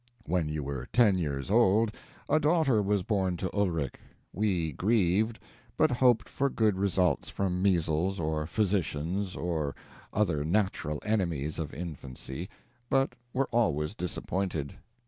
"When you were ten years old, a daughter was born to Ulrich. We grieved, but hoped for good results from measles, or physicians, or other natural enemies of infancy, but were always disappointed.